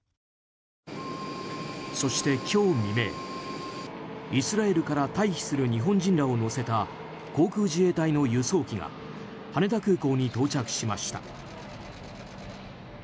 そして今日未明、イスラエルから退避する日本人らを乗せた航空自衛隊の輸送機が羽田空港に到着しました。